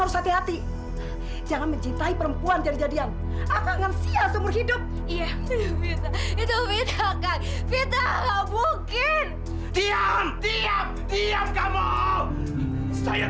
sampai jumpa di video selanjutnya